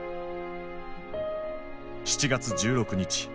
７月１６日。